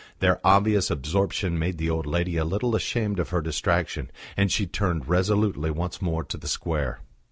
Their obvious absorption made the old lady a little ashamed of her distraction, and she turned resolutely once more to the square.